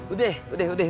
udah udah udah